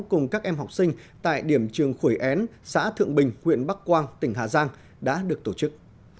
cùng các em học sinh tại điểm trường khuổi én xã thượng bình huyện bắc quang tỉnh hà giang đã được tổ chức